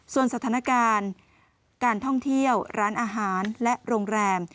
ส่วนสถานการณ์การท่องเที่ยวร้านอาหารและโรงแรม